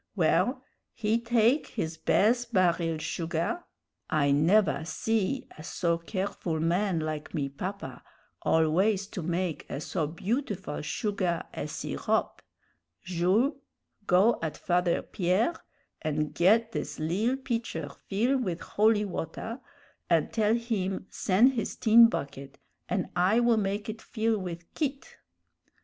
Well, he take his bez baril sugah I nevah see a so careful man like me papa always to make a so beautiful sugah et sirop. 'Jules, go at Father Pierre an' ged this lill pitcher fill with holy water, an' tell him sen' his tin bucket, and I will make it fill with quitte.'